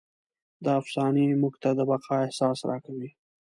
دا افسانې موږ ته د بقا احساس راکوي.